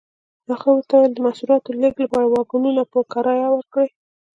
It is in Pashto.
هغه ورته وویل د محصولاتو لېږد لپاره واګونونه په کرایه ورکړي.